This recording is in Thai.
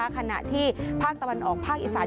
ขณะที่ภาคตะวันออกภาคอีสาน